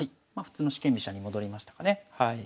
まあ普通の四間飛車に戻りましたかね。